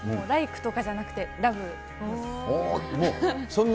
ライクとかじゃなくてラブです。